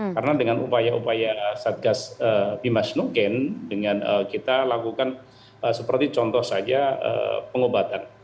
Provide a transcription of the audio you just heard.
karena dengan upaya upaya satgas bimas nuken dengan kita lakukan seperti contoh saja pengobatan